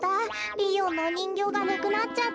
ピーヨンのおにんぎょうがなくなっちゃって。